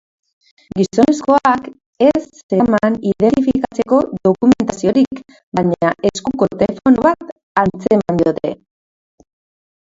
Gizonezkoak ez zeraman identifikatzeko dokumentaziorik, baina eskuko telefono bat atzeman diote.